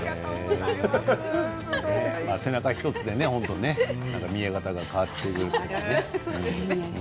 背中１つで見え方が変わってくるね。